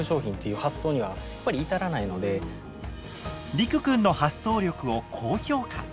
りくくんの発想力を高評価。